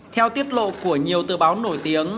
theo tiết lộ của nhiều tờ báo nổi tiếng